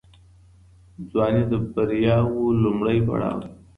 ځواني د بریاوو لومړی پړاو دی.